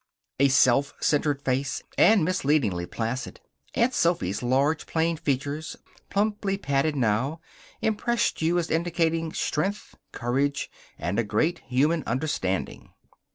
A self centered face, and misleadingly placid. Aunt Sophy's large, plain features, plumply padded now, impressed you as indicating strength, courage, and a great human understanding.